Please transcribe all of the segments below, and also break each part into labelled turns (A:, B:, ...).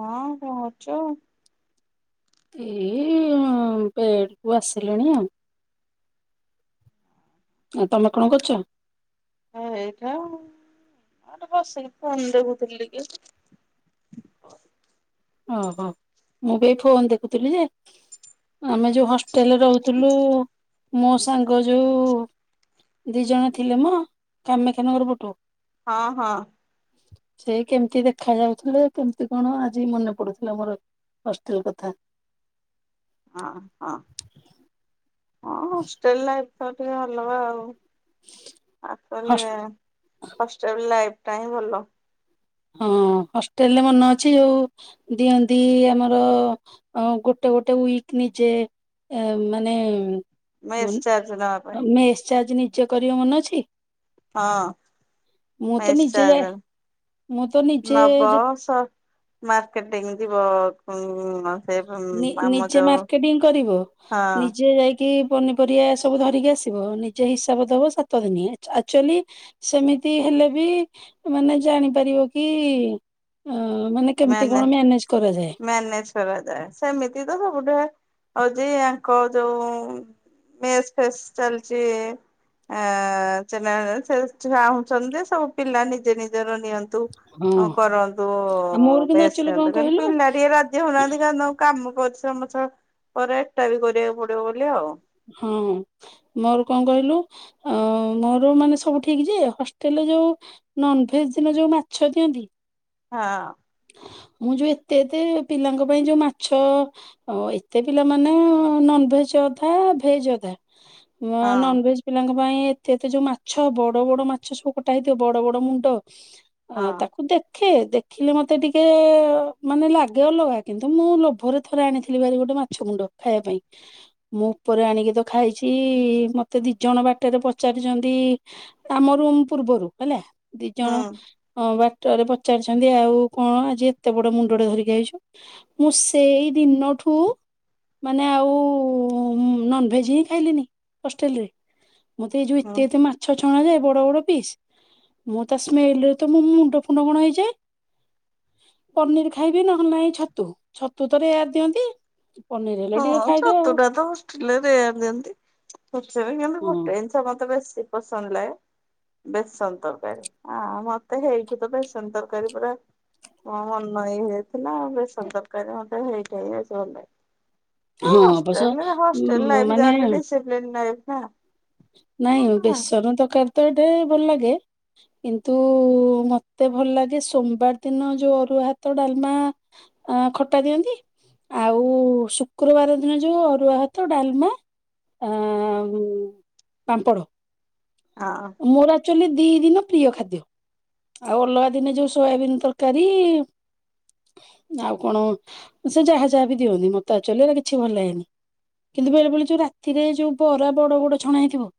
A: ହଁ କଣ ଅଛ।
B: ଏଇ ପେଡେ କୁ ଆସିଲିଣି ଆଉ। ଆଉ ତମେ କଣ କରୁଚ?
A: ହଁ ଏଇଟା ଆଉ ଏଠି ବସିକି ଫୋନ ଦେଖୁଥିଲି ଟିକେ।
B: ଓହୋ ମୁଁ ବି ଏଇ ଫୋନ ଦେଖୁଥିଲି ଯେ ଆମେ ଯୋଉ ହଷ୍ ଟେଲେ ରହୁଥିଲୁ ମୋ ସାଙ୍ଗ ଯୋଉ ଦି ଜଣ ଥିଲେ ମଁ କାମାକ୍ଷାନଗର ପଟୁ।
A: ହଁ ହଁ।
B: ସେ କେମିତି ଦେଖା ଯାଉଥିଲେ କେମିତି କଣ ଆଜି ମନେ‌‍ ପଢୁଥିଲା ମୋର ହଷ୍ଟେଲ୍ କଥା।
A: ଅଁ ହଁ ହଁ ହଷ୍ଟେଲ୍ ଲାଇଫି ଟା ଟିକେ ଅଲଗା ଆଉ। ଆକ୍ଚେଲି
B: ହସ୍
A: ହଷ୍ଟେଲ ଲାଇଫ ଟା ହିଁ ଭଲ।
B: ହଁ ହଷ୍ଟେଲେ ରେ ମନେ ଅଛି ଆଉ ଦିଅନ୍ତି ଆମର ଗୋଟେ ଗୋଟେ ୱିକି ନିଜେ ଏ ମାନେ ଉଁ
A: ମେସ୍ ଚାର୍ଜ ନବା ପାଇଁ
B: ଆଁ ମେସେଚାର୍ଜ ନିଚେ କରିବ ମନେ ଅଛି।
A: ହଁ
B: ମୁଁ ତ
A: ସେସ୍
B: ନିଜେ ଯାଏ
A: ଚାର୍ଜ।
B: ମୁଁ ତ ନିଜେ
A: ନବ
B: ଯେ
A: ସ ମାର୍କେଟିଂ ଯିବ ଉଁ ଅ
B: ନି ନିଜେ ମାର୍କେଟିଂ କରିବ।
A: ହଁ
B: ନିଜେ ଯାଇ କି ପନିପରିବା ସବୁ ଧରିକି ଆସିବ। ନିଜେ ହିସାବ ଦବ ସାତ ଦିନ ଆଚ ଆକ୍ଚେଲି ସେମିତି ହେଲେ ବି ମାନେ ଜାଣିପାରିବ କି ଉଁ ମାନେ କେମିତି କଣ ମ୍ୟାନେଜ କରାଯାଏ।
A: ମ୍ୟାନେଜ୍ କରାଯାଏ ସେମିତି ତ ସବୁଠି ହୁଏ ହଉଛି ୟାଙ୍କ ଯଉ ମେସ୍ ଫେସ୍ ଚାଲିଛି। ଆ [unintelligible] ଚାହୁଁଛନ୍ତି ସବୁ ପିଲା ନିଜେ ନିଜର ନିଅନ ତୁ
B: ହଁ
A: ଅ କରନ୍ତୁ
B: ଆଉ
A: ଉଁ
B: ମୋର କିନ୍ତୁ
A: ସେସ୍
B: ଆକ୍ଚୁଆଲି କଣ
A: ଦେଖିଲାବେଳକୁ
B: କହିଲୁ
A: ପିଲା ଟିକେ ରାଜି ହଉନାହାନ୍ତି କାରଣ କାମ ପରିଶ୍ରମ ପଛେ ପରେ ଏଟା ବି କରିବାକୁ ପଡିବ ବୋଲି ଆଉ।
B: ହଁ, ମୋର କଣ କହିଲୁ ଅଁ ମୋର ମାନେ ସବୁ ଠିକ୍ ଯେ ହଷ୍ଟେଲରେ ଯୋଉ ନନଭେଜ୍ ଦିନ ଯୋଉ ମାଛ ଦିଅନ୍ତି।
A: ହଁ।
B: ମୁଁ ଯୋଉ ଏତେ ଏତେ ପିଲାଙ୍କ ପାଇଁ ଯୋଉ ମାଛ ହଁ ଏତେ ପିଲା ମାନେ ନନ୍ ଭେଜ୍ ଅଧା ଭେଜ୍ ଅଧା
A: ହଁ
B: ନନ୍ ଭେଜ୍ ପିଲାଙ୍କ ପାଇଁ ଏତେ ଏତେ ଯୋଉ ମାଛ ବଡ ବଡ ମାଛ ସବୁ କୋଟା ହେଇଥିବ ବଡ ବଡ ମୁଣ୍ଡ। ଆଁ
A: ହଁ
B: ତାକୁ ଦେଖେ ଦେଖିଲେ ମ ମତେ ଟିକେ ମାନେ ଲାଗେ ଅଲଗା କିନ୍ତୁ ମୁଁ ଲୋଭରେ ଥରେ ଆଣିଥିଲି ଭାରି ଗୋଟେ ମାଛ ମୁଣ୍ଡ ଖାଇବା ପାଇଁ ମୁଁ ଉପରେ ଆଣିକି ତ ଖାଇଛି ମତେ ଦି ଜଣ ବାଟରେ ପଚାରିଛନ୍ତି ଆମ ରୁମ୍ ପୂର୍ବରୁ ହେଲା ଦି
A: ହୁଁ
B: ଜଣ ବାଟରେ ପଚାରିଛନ୍ତି ଆଉ କଣ ଆଜି ଏତେ ବଡ ମୁଣ୍ଡ ଟେ ଧରିକି ଆଇଛୁ ମୁଁ ସେଇ ଦିନ ଠୁ ମାନେ ଆଉ ନନ୍ ଭେଜ୍ ହିଁ ଖାଇଲିନି ହଷ୍ଟେଲ ରେ। ମତେ ଏ ଯୋଉ
A: ହୁଁ।
B: ଏତେ ଏତେ ମା ଛ ଛଣା ଯାଏ ବଡ ବଡ ପିସ୍ ମୁଁ ତା ସ୍ମେଲ ରେ ତ ମୋ ମୁଣ୍ଡ ଫୁଣ୍ଡ କଣ ହେଇଯାଏ। ପନିର୍ ଖାଇବି ନ ହେଲେ ନାଇଁ ଛତୁ ଛତୁ ତ ରେୟାର୍ ଦିଅନ୍ତି। ପନିର ହେଲେ
A: ହଁ,
B: ଟିକେ ଖାଇଦେ ଆଉ
A: ଛତୁଟା ତ ହଷ୍ଟେଲ ରେ ରେୟାର୍ ଦିଅନ୍ତି, ପଛ ରେ କିନ୍ତୁ
B: ହଁ
A: ଗେଟେଯିନି ତ ମତେ ବେଶୀ ପସନ୍ଦ ଲାଗେ। ବେସନ ତରକାରୀ ଆ ମତେ ହେଇଠୁ ତ ବେସନ ତରକାରୀ ପୁରା ମୋ ମନ ଇଏ ହେଇଯାଇଥିଲା ଆଉ ବେସନ ତରକାରୀ ମତେ ହେଇଥି ପାଇ ବେଶି ଭଲ ଲଗେ। ଅ
B: ହଁ ଅବଶ୍ୟ
A: ହଷ୍ଟେଲ ରେ ହଷ୍ଟେଲ
B: ଉଁ
A: ଲାଇଫ୍ ଜହା
B: ମାନେ
A: ହେଲେ ବି ଡିସିପ୍ଲିନ ଲାଇଫି ନା। ହଁ
B: ନାଇଁ
A: ହଁ
B: ବେସନ ତରକାରୀ ତ ଏଇଠି ଭଲ ଲାଗେ। କିନ୍ତୁ ମତେ ଭଲ ଲାଗେ ସୋମବାର ଦିନ ଯୋଉ ଅରୁଆ ଭାତ ଡାଲମା ଆ ଖଟା ଦିଅନ୍ତି। ଆଉ ଶୁକ୍ରବାର ଦିନ ଯୋଉ ଅରୁଆ ଭାତ ଡାଲମା ଆ, ହୁଁ। ପାମ୍ପଡ଼।
A: ଆ
B: ମୋର ଆକ୍ଚୁଆଲି ଦିଇ ଦିନ ପ୍ରିୟ ଖାଦ୍ୟ। ଆଉ ଅଲଗା ଦିନେ ଯୋଉ ସୋୟାବିନ ତରକାରୀ ଆଉ କଣ ସେ ଯାହା ଯାହା ବି ଦିଅନ୍ତି ମତେ ଆଚ୍ୟୁଅଲି ଏରା କିଛି ଭଲ ଲାଗେନି। କିନ୍ତୁ ବେଳେ ବେଳେ ଯୋଉ ରାତିରେ ଯୋଉ ବରା ବଡ ବଡ ଛଣା ହେଇଥିବ।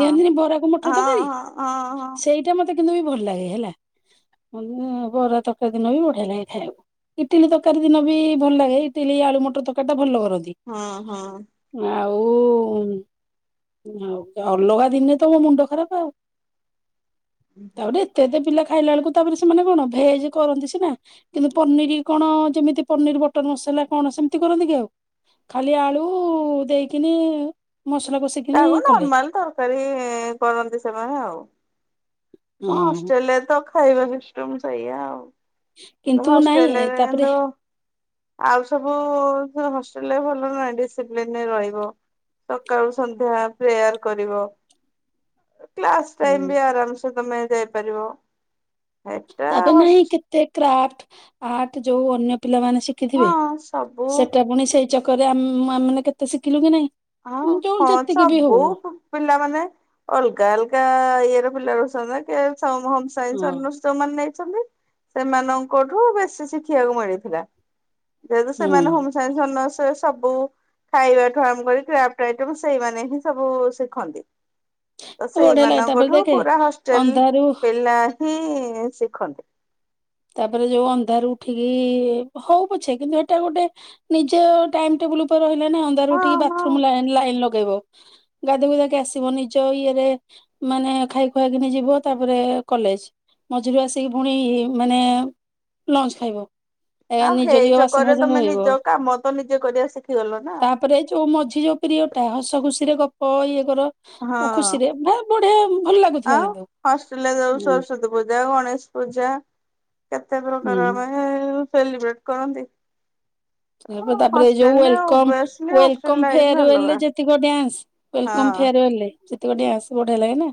B: ଦିଅନ୍ତି ନି ବରା କୁ ମଟର
A: ହଁ
B: ତରକାରୀ
A: ହଁ ହଁ।
B: ସେଇଟା ମତେ କିନ୍ତୁ ବି ଭଲ ଲାଗେ ହେଲା। ମତେ ବରା ତରକାରୀ ଦିନ ବି ବଢିଆ ଲାଗେ ଖାଈବାକୁ। ଇଟିଲି ତରକାରୀ ଦିନ ବି ଭଲ ଲାଗେ ଇଟିଲି ଆଳୁ ମଟର ତରକାରୀ ଟା ଭଲ କରନ୍ତି।
A: ହଁ, ହଁ।
B: ଆଉ ଆଉ ଅଲଗା ଦିନେ ତ ମୋ ମୁଣ୍ଡ ଖରାପ ଆଉ।
A: ହୁଁ।
B: ତା ପରେ ଏତେ, ଏତେ ପିଲା ଖାଇଲା ବେଳୁକୁ ତା ପରେ ସେମାନେ କଣ ଭେଜ କରନ୍ତି ସିନା। କିନ୍ତୁ ପନିର୍ କଣ ଯେମିତି ପନିର୍ ବଟର୍ ମସଲା କଣ ସେମିତି କରନ୍ତି କି ଆଉ। ଖାଲି ଆଳୁ ଦେଇକିନି ମସଲା କଷେ
A: ତାକୁ ନର୍ମାଲ ତରକାରୀ କରନ୍ତି ସେମାନେ ଆଉ। ହିଁ,
B: ହଁ
A: ହଷ୍ଟେଲ ରେ ତ ଖାଇବା ସିଷ୍ଟମ ସେଇଆ ଆଉ।
B: କିନ୍ତୁ ନାଇଁ
A: ହଷ୍ଟେଲ ରେ
B: ତାପରେ
A: କିନ୍ତୁ। ଆଉ ସବୁ ହଷ୍ଟେଲ ରେ ଭଲ ନାହିଁ ଡିସିପ୍ଲିନ ରେ ରହିବ। ସକାଳୁ ସନ୍ଧ୍ୟା ପ୍ରେୟାର୍ କରିବ। କ୍ଲାସ ଟାଇମ
B: ହୁଁ
A: ବି ଆରାମ ସେ, ତମେ ଯାଇପାରିବ। ଏଟା
B: ତାପରେ ନାହିଁ,
A: ହସ୍
B: କେତେ କ୍ରାଫ୍ଟ ଆର୍ଟ ଯୋଉ ଅନ୍ୟ ପିଲାମାନେ ଶି।
A: ହଁ
B: କିଥିବେ
A: ସବୁ
B: ସେଟା, ପୁଣି ସେଇ ଚକରେ ଆମେ ମୁଁ ଆମେ ମାନେ କେତେ ଶିଖିଲୁ କି ନାଇଁ।
A: ହଁ,
B: ଯୋଉ
A: ହଁ
B: ଯେତିକି ବି
A: ଚବୁ।
B: ହଉ
A: ପିଲାମାନେ ଅଲଗା ଅଲଗା ଇଏ ର ପିଲା ରହୁସନ୍ତି ନା କିଏ ହୋମ ସାଇନ୍ସି
B: ହଁ
A: ଅନର୍ଶ। ଯୋଉମାନେ ନେଇଛନ୍ତି, ସେମାନଙ୍କଠୁ ବେଶୀ ଶିଖିବାକୁ ମିଳିଥିଲା। ଯେହେତୁ
B: ହୁଁ
A: ସେମାନେ ହୋମସାଇନ୍ସି ଅନର୍ସ ସବୁ ଖାଇବା ଠୁ ଆରମ୍ଭ କରି କ୍ରାପଟ୍ ଆଇଟମ ସେଇମାନେ ହିଁ ସବୁ ଶିଖନ୍ତି। ତ
B: ବଢିଆ ଲାଗେ ତାପରେ
A: ସେଇମାନଙ୍କଠୁ
B: ଦେଖେ
A: ପୁରା ହଷ୍ଟେଲ
B: ଅନ୍ଧାରୁ
A: ପିଲା ହିଁ ଶିଖନ୍ତି।
B: ତାପରେ ଯୋଉ ଅନ୍ଧାର ଉଠିକି, ହଉ ପଛେ କିନ୍ତୁ ହେଟା ଗୋଟେ ନିଜ ଟାଇମ ଟେବୁଲ ଉପରେ ରହିଲେ ନା, ଅନ୍ଧାର
A: ହଁ
B: ଉଠିକି
A: ହଁ
B: ବାଥରୁମ ଲାଇନ ଲଗେଇବ। ଗାଧ ଗୁଧାକି ଆସିବ ନିଜ ଇଏରେ ମାନେ ଖାଇ ଖୁଆକିନି ଯିବ, ତାପରେ କଲେଜ ମଝିରୁ ଆସିକି ଫୁଣି ମାନେ, ଲଞ୍ଚ ଖାଇବ। ଏ
A: ଆଉ
B: ନିଜ ଯିବ ବାସନ
A: ହେଇଚକରେ
B: ଫାସନ
A: ତମେ
B: ଧୋଇବ
A: ନିଜ କାମ ତ ନିଜେ କରିବା ଶିଖିଗଲ ନା।
B: ତାପରେ ଯୋଉ ମଝି ଯୋଉ ପ୍ରିରୀୟଡ ଟା ହସ ଖୁସିରେ ଗପ ଇଏ କର
A: ହଁ
B: ଖୁସିରେ ଭେପ ବଢିଆ, ଭଲ ଲାଗୁଥିଲା
A: ଆଉ
B: କିନ୍ତୁ
A: ହଷ୍ଟେଲରେ ଯୋଉ
B: ହୁଁ।
A: ସରସ୍ଵତୀ ପୂଜା ଗଣେଶ ପୂଜା। କେତେ ପ୍ରକାର
B: ହୁଁ।
A: ଆମେ ସେଲିବ୍ରେଟ୍ କରନ୍ତି।
B: ଇଆ ପରେ ତାପରେ ଏ ଯୋଉ
A: ହଷ୍ଟେଲରେ
B: welcome,
A: obviously hostel
B: welcome
A: life
B: farewell
A: ଅଲଗା
B: ଯେତିକ ଡ୍ୟାନ୍ସ। ୱେଲକମ
A: ହଁ
B: ଫେୱେଲ୍‌ ରେ ସେତିକ ଡାନ୍ସ ବଢିଆ ଲାଗେ ନା।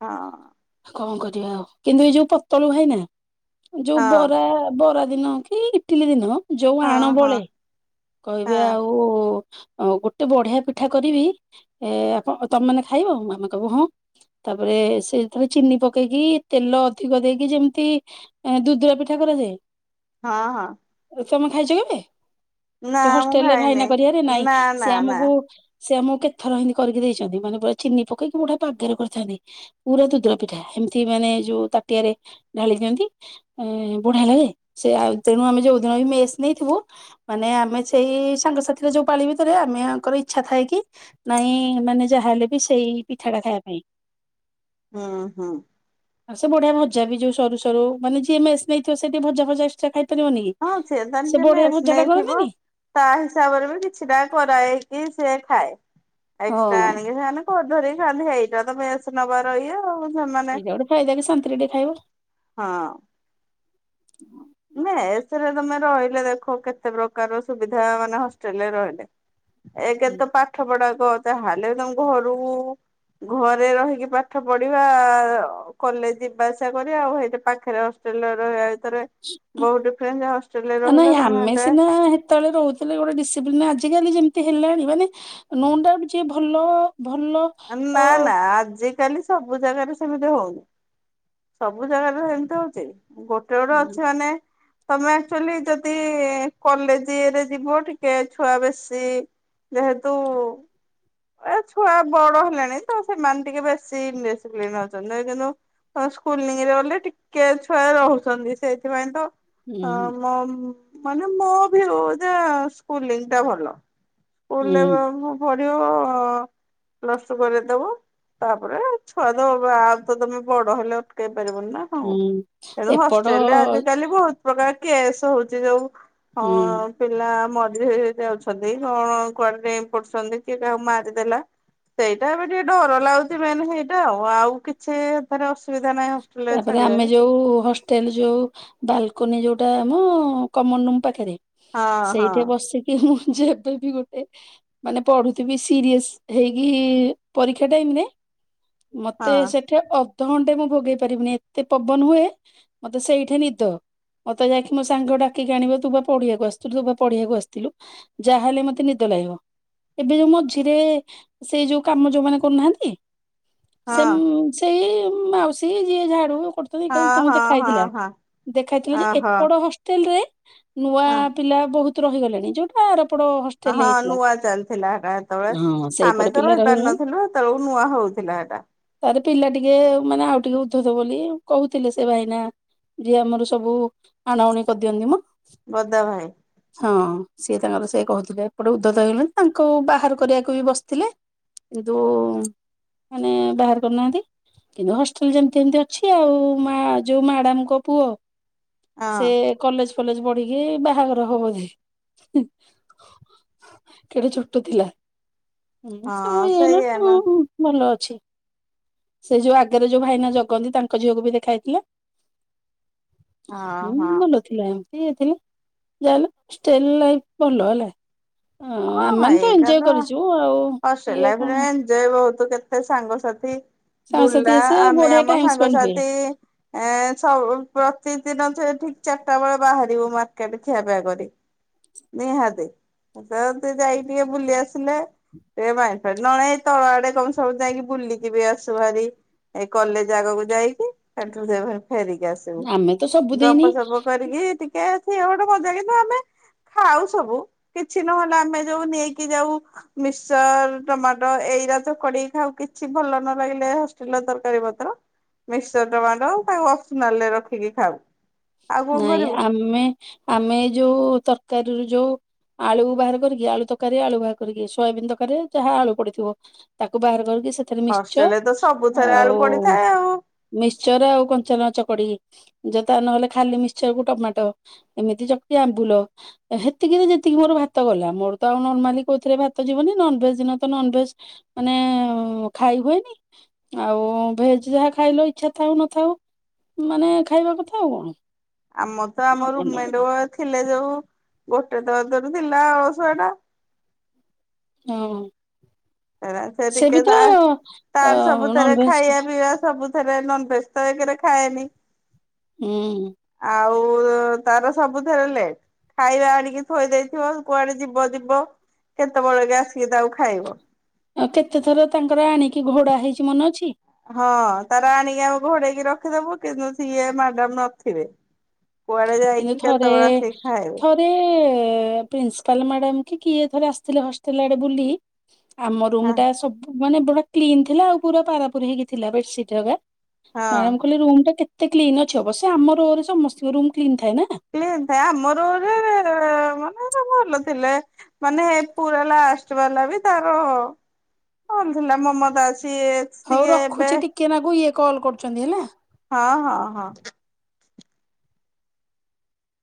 A: ହଁ।
B: କଣ କରିବା ଆଉ କିନ୍ତୁ ଏ ଯୋଉ ପୋତଳୁ ଭାଇ ନା। ଯୋଉ
A: ହଁ
B: ବରା, ବରା ଦିନ କି ଇଟିଲି ଦିନ। ଯୋଉ
A: ହଁ
B: ଆଣ
A: ହଁ
B: ବଳେ,
A: ହଁ
B: କହିବେ ଆଉ ଗୋଟେ ବଢିଆ ପିଠା କରିବି। ଏ ଆପ, ତମେ ମାନେ ଖାଇବ ଆମେ କହିବୁ ହଁ। ତାପରେ ସେ ଯେତେଳେ ଚିନି ପକେଇକି, ତେଲ ଅଧିକ ଦେଇକି ଯେମିତି ଏଁ ଦୁଦୁରା ପିଠା କରାଯାଏ।
A: ହଁ ହଁ।
B: ତମେ ଖାଇଛ କେବେ
A: ନା
B: ଯୋଉ
A: ମୁଁ
B: ହଷ୍ଟେଲରେ ଭାଇନା
A: ଖାଇନି
B: କରିବାରେ ନାଇଁ
A: ନା ନା
B: ସେ
A: ନା
B: ଆମକୁ ସେ ଆମକୁ କେତେଥର ଏମିତି କରିକି ଦେଇଛନ୍ତି, ମାନେ ପୁରା ଚିନି ପକେଇକି ମୁଠା ପାଗରେ କରିଥାନ୍ତି। ପୁରା ଦୁଦୁରା ପିଠା ଏମିତି ମାନେ ଯୋଉ ତାଟିଆରେ ଢାଳି ଦିଅନ୍ତି। ଏଁ ବୁଢା ସେ ଆଉ ତେଣୁ ଆମେ [unintelligible] ବି ମେସ୍ ନେଇଥିବୁ। ମାନେ ଆମେ ସେଇ ସାଙ୍ଗସାଥିରେ ଯୋଉ ପାଳି ଭିତରେ ଆମେ ଆଙ୍କର ଇଚ୍ଛା ଥାଏ କି। ନାଇଁ ମାନେ ଯାହା ହେଲେ ବି ସେଇ ପିଠା ଟା ଖାଇବା ପାଇଁ।
A: ଉଁ ହୁଁ।
B: ଆଉ ସେ ବଢିଆ ଭଜା ବି ଯୋଉ ସରୁ ସରୁ ମାନେ ମେସ୍‌ ନେଇଥିବ ସେଠି ଭଜା ଭଜା ଏକ୍ସଟ୍ରା ଖାଇ ପାରିବନି କି।
A: ହଁ ତାର
B: ସେ
A: ଯେ
B: ବଢିଆ
A: ମେସ୍
B: ଭଜା
A: ନେଇଥିବ
B: କରନ୍ତିନି?
A: ତା ହିସାବରେ ବି କିଛିଟା କରା ହେଇକି ସେ ଖାଏ,
B: ହଁ
A: ଏକ୍ସଟ୍ରା ଆଣିକି ସେମାନେ କରି ଧରି ଖାନ୍ତି ହେଇଟା ତମେ ମେସ୍‌ ନବାର ଇଏ ଆଉ। ସେମାନେ
B: ଏଇଟା ଗୋଟେ ଫାଇଦା ବି ଶାନ୍ତିରେ ଟେ ଖାଇବ।
A: ହଁ। ମେସ୍‌ ରେ ତମେ ରହିଲେ ଦେଖ କେତେ ପ୍ରକାର ସୁବିଧା ମାନେ ହଷ୍ଟେଲରେ ରହିଲେ। ଏକ୍ ତ ପାଠ ପଢାକୁ ତାହେଲେ ତମ ଘରୁ ଘରେ ରହିକି ପାଠ ପଢିବା କଲେଜ ଯିବା ଆସିବା କରିବା ଆଉ ହେଇଟି ପାଖରେ ହଷ୍ଟେଲରେ ରହିବା ଭିତରେ। ବହୁତ ଡିଫରେଣ୍ଟ ଯେ ହଷ୍ଟେଲରେ ରହିଲେ ତମେ [unintelligible]
B: ତେବେଳେ ରହୁଥିଲେ ଗୋଟେ ଡିସିପ୍ଲିନ ଆଜିକାଲି ଯେମିତି ହେଲାଣି ମାନେ ନୁଣ ଡାଉଟ ଯିଏ ଭଲ ଭଲ। ଅ
A: ନାଁ ନାଁ ଆଜି କାଲି ସବୁ ଜାଗାରେ ସେମିତି ହଉନି ସବୁ ଜାଗାରେ ସେମତି ହଉଛି ଗୋ ଗୋଟେ ଗୋଟେ ଅଛି ମାନେ ତମେ ଆଚୁଆଲି ଯଦି କଲେଜ ରେ ଯିବ ଟିକେ ଛୁଆ ବେଶୀ ଯେହେତୁ ଏ ଛୁଆ ବଡ ହେଲାଣି ତ ସେମାନେ ଟିକେ ବେଶୀ ନଛନ୍ତି କିନ୍ତୁ ସ୍କୁଲରେ ଗଲେ ଟିକେ ଛୁଆ ରହୁଛନ୍ତି ସେଇଥିପାଇଁ ତ ହଁ
B: ହୁଁ
A: ମୋ ମାନେ ମୋ ବିଉ ସ୍କୁ ଟା ଭଲ ସ୍କୁଲ
B: ହୁଁ
A: ରେ ପଢିବ ପ୍ଲସ ଟୁ କରେଇଦେବ। ତାପରେ ଛୁଆ ଦେ ଆଉ ତ ତମେ ବଡ ହେଲେ ଅଟକେଇ ପାରିବନି ନା? ହଁ
B: ହୁଁ
A: ତେଣୁ
B: ଏପଟ
A: ହଷ୍ଟେଲରେ ଆଜିକାଲି ବହୁତ ଭୋଉତୁ ପ୍ରକାର କେସ ହଉଛି ଯୋଉ
B: ହୁଁ
A: ହଁ ପିଲା ମରି ଯାଉଛନ୍ତି କଣ କୁଆଡ ଦେଇପଡୁଛନ୍ତି କିଏ କାହାକୁ ମାରି ଦେଲା ସେଇଟା ଏବେ ଟିକେ ଡର ଲାଗୁଛି ମେନ ହେଇଟା ଆଉ ଆଉ କିଛି ଛେ ହେଥେରେ ଅସୁବିଧା ନାହିଁ ହଷ୍ଟେଲ ରେ
B: ତାପରେ ଆମେ
A: ଛାଡିବାରେ।
B: ଯୋଉ ହଷ୍ଟେଲ ଯୋଉ ବାଲକୁନି ଯୋଉଟା ଆମ କମନ ରୁମ ପାଖରେ
A: ହଁ ହଁ
B: ସେଇଠି ବସିକି କି ମୁଁ ଯେବେ ବି ଗୋଟେ ମାନେ ପଢୁଥିବି ସିରିଏସେ ହେଇକି ପରୀକ୍ଷା ଟାଇମ ରେ
A: ହଁ
B: ମତେ ସେଠି ଅଧଘଣ୍ଟେ ମୁଁ ଭୋଗେଇ ପାରିବିନି ଏତେ ପବନ ହୁଏ। ମତେ ସେଇଠି ନିଦ। ମତେ ଯାଇକି ସାଙ୍ଗ ଡାକିକି ଆଣିବ ତୁ ବା ପଢ଼ିଆକୁ ଆଥିଲୁ ତୁ ବା ପଢେଇଆକୁ ଆସିଥିଲୁ। ଯାହାହଲେ ମତେ ନିଦ ଲାଗିବ। ଏବେ ଯୋଉ ମଝିରେ ସେଇ ଯୋଉ କାମ ଯୋଉମାନେ କରୁନାହାନ୍ତି
A: ହଁ
B: ସେ ସେଇ ମାଉସୀ ଯିଏ ଝାଡୁ ତାଙ୍କୁ
A: ହଁ ହଁ
B: ଦେଖାଇଥିଲା
A: ହଁ ହଁ।
B: ଦେଖାଇଥିଲା ଯେ
A: ଓହୋ
B: ଏପଟ ହଷ୍ଟେଲ ରେ ନୂଆ
A: ହଁ।
B: ପିଲା ବହୁତ ରହିଗଲେଣି ଯୋଉଟା ଆରପଡ
A: ହଁ ନୂଆ ଚାଲିଥିଲା ସେତେବେଳେ
B: ହଁ
A: ଆମେ
B: ସେଇପଟେ
A: ତ
B: ପିଲା ରହିଗଲେଣି
A: ରହିପାରିନଥିଲୁ ସେତେବେଳକୁ ନୂଆ ହଉଥିଲା ସେଟା
B: ତାରେ ପିଲା ଟିକେ ମାନେ ଆଉ ଟିକେ ଉଦ୍ଧତ ବୋଲି କହୁଥିଲେ ସେ ଭାଇନା ଯିଏ ଆମର ସବୁ ଆଣଉଣୀ କରିଦିଅନ୍ତି ମ
A: ବଦା ଭାଇ
B: ହଁ ସିଏ ତାଙ୍କର ସେ କହୁଥିଲେ ଏପଟେ ଉଦ୍ଧତ ହେଇଗଲେଣି ତାଙ୍କୁ ବାହାର କରିବାକୁ ବି ବସିଥିଲେ କିନ୍ତୁ ମାନେ ବାହାର କରୁନାହାନ୍ତି କିନ୍ତୁ ହସ୍ ସ୍ଲ ଯେମତି ସେମତି ଅଛି ଆଉ ମା ଯୋଉ ମ୍ୟାଡାମଙ୍କ ପୁଅ
A: ହଁ
B: ସେ କଲେଜ ଫଲେଜ ପଢିକି ବାହାଘର ହବ ବୋଧେ କେଡେ ଛୋଟ ଥିଲା ସବୁ
A: ହଁ ସେଇଆ ନା
B: [unintelligible] ଭଲ ଅଛି ସେ ଯୋଉ ଆଗ [unintelligible] ରେ ଯୋଉ ଭାଇନା ଜଗନ୍ତି ତାଙ୍କ ଝିଅକୁ ବି ଦେଖା ହେଇଥିଲା
A: ହଁ ହଁ
B: ହୁଁ ଭଲ [unintelligible] ଏମତିା ଲ ଭଲ ହେଲା [unintelligible] ହ ଆମେ
A: ହଁ
B: ମାନେ ତ
A: ଏଇଟା
B: ଏଞ୍ଜୟ କରିଛୁ ଆଉ ଇଏ କଣ
A: [unintelligible] ବିଜୟ ବହୁତ କେତେ ସାଙ୍ଗସାଥି
B: ସାଙ୍ଗସାଥି
A: ବୁଲା
B: ଆସେ
A: ଆମେ
B: ବଢିଆ
A: ଆମ
B: ଟାଇମ ସ୍ପେଣ୍ଡ ହୁଏ
A: ସାଙ୍ଗସଥି ଏଁ ସବୁ ପ୍ରତିଦିନ ଯେ ଠିକ ଚାରିଟା ବେଳେ ବାହାରିବୁ ମାର୍କେଟ ଖିଆ ପିଆ କରି ନିହାତି [unintelligible] ଯାଇକି ଟିକେ ବୁଲି ଆସିଲେ [unintelligible] ଏାଇ ନ ଏଇ ତଳ ଆଡେ କମ ସବୁ ଯାଇକି ବୁଲିକ ଯିବି ଆସୁ ଭାରି ଏଇ କଲେଜ ଆଗକୁ ଯାଇକି ସେ [unintelligible] ଫେରିକି ଆସ
B: ଆମେ ତ ସବୁଦିନ
A: ଗପ ସପ କରିକି ଟିକେ ଟିକେ ସେ ଗଟେ ମଜା କିନ୍ତୁ ଆମେ ଖାଉ ସବୁ କିଛି ନହେଲେ ଆମେ ଯୋଉ ନେଇକି ଯାଉ ମିସ୍କଚର, ଟମାଟୋ ଏଇଟା ତ କଡେଇି ଖାଉ କିଛି ଭଲ ନ ଲାଗିଲେ ହଷ୍ଟେଲ ରେ ତରକାରୀ ପତ୍ର ମିସ୍କଚର ଟମାଟୋ ତାକୁ ଅପସନାଲ ରେ ରଖିକି ଖାଉ ଆଉ କଣ
B: ନାଇଁ
A: କରିବୁ
B: ଆମେ ଆମେ ଯୋଉ ତରକାରୀରୁ ଯୋଉ ଆଳୁ ବାହାର କରିକି ଆଳୁ ତରକାରୀ ଆଳୁ ବାହାର କରିକି ସୋୟାବିିନ ତରକାରୀ ଯାହା ଆଳୁ ପଡିଥିବ ତାକୁ ବାହାର କରିକି ସେଥିରେ ମିିକ୍ସର
A: ହଷ୍ଟେଲରେ ତ ସବୁଥେରେ ଆଳୁ
B: ଆଉ
A: ପଡିଥାଏ ଆଉ
B: ମିକ୍ସଚର ଆଉ କଞ୍ଚା ଲଙ୍କା ଚକଡି ଯତା ନହେଲେ ଖାଲି ମିକ୍ଚର କୁ ଟମାଟୋ ଏମିତି ଚକଟି ଆମ୍ବୁଲ ସେତିକିରେ ଯେତିକି ମୋର ଭାତ ଗଲା। ମୋର ତ ଆଉ ନର୍ମାଲି କୋଉଥିଲେ ଭାତ ଯିବନି ନନଭେଜ୍ ଦିନ ତ ନନଭେଜ୍ ମାନେ ଖାଇ ହୁଏନି ଆଉ ଭେଜ୍ ଯାହା ଖାଇଲେ ଇଚ୍ଛା ଥାଉ ନଥାଉ ମାନେ ଖାଇବା କଥା ଆଉ କଣ?
A: ଆମର ତ ଆମ
B: ଆଉ କଣ
A: ରୁମମେଟ। ଥିଲେ ଯୋଉ ଗୋଟେ ଦର ଦରୁ ଥିଲା ଶୁଆ ଟା।
B: ହଁ।
A: ହେ ସେ
B: ବି
A: ଟିକେ
B: ତ
A: ତା ତାର ସବୁଥିରେ
B: ନନଭେଜ
A: ଖାଇବା ପିଇବା ସବୁ ରେ ନନଭେଜ ତ ଏକରେ ଖାଏନି।
B: ହୁଁ।
A: ଆଉ ତାର ସବୁଥିରେ ଲେଟ୍। ଖାଇବା ଆଣିକି ଥୋଇ ଦେଇଥିବ କୁଆଡେ ଯିବ ଯିବ କେତେବେଳକ ଆସିକି ତାକୁ ଖାଇବ।
B: ଆଉ କେତେ ଥର ତାଙ୍କର ଆଣିକି ଘୋଡା ହେଇଛି ମନେ ଅଛି?
A: ହଁ ତାର ଆଣିକି ଆମେ ଘୋଡେଇକି ରଖିଦବୁ କିନ୍ତୁ ସିଏ ମ୍ୟାଡାମ ନଥିବେ କୁଆଡେ
B: କିନ୍ତୁ
A: ଯାଇକି
B: ଥରେ
A: କେତେ ବେଳେ ଆସିକି ଖାଇବ
B: [unintelligible] ପ୍ରିନ୍ସିପାଲ ମ୍ୟାଡାମ କି କିଏ ଥରେ ଆସିଥିଲେ ହଷ୍ଟେଲ ଆଡେ ବୁଲି ଆମ ରୁମ୍ ଟା ସବୁ ମାନେ ପୁରା କ୍ଲିନ ଥିଲା ଆଉ ପୁରା ପାରା ପାରି ହେଇକି ଥିଲା ବେଡସିଟ୍ [unintelligible]
A: ହଁ
B: ମ୍ୟାଡାମ୍ କହିଲେ ରୁମ୍ ଟା କେତେ କ୍ଲିନ୍‌ ଅଛି। ଅବଶ୍ୟ ସେ ଆମ ରୋରେ ସମସ୍ତଙ୍କ ରୁମ୍ କ୍ଲିନ ଥାଏ ନା।
A: ଥିଲେ ଆମରରେ ମାନେ ଭଲ ଥିଲେ। ମାନେ ପୁରା ଲାଷ୍ଟ ବାଲା ବି ତାର ଭଲ ଥିଲା ମମତା ସିଏ
B: ହୋଉ
A: ସିଏ ଏବେ
B: ରଖୁଛି ଟିକେ ନା କୁ ଇଏ କଲ୍ କରୁଛନ୍ତି ହେଲା।
A: ହଁ, ହଁ, ହଁ।